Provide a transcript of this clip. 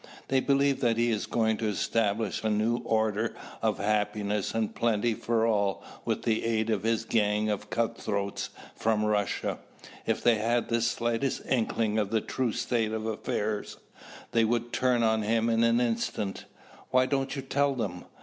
They believe that he is going to establish a new order of happiness and plenty for all with the aid of his gang of cutthroats from Russia. If they had the slightest inkling of the true state of affairs, they would turn on him in an instant." "Why don't you tell them?"